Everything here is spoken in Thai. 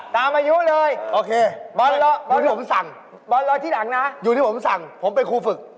ตามอายุเลยโอเคอยู่ที่ผมสั่งผมเป็นครูฝึก